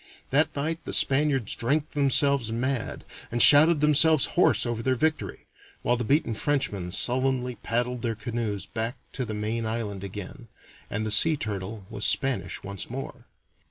That night the Spaniards drank themselves mad and shouted themselves hoarse over their victory, while the beaten Frenchmen sullenly paddled their canoes back to the main island again, and the Sea Turtle was Spanish once more.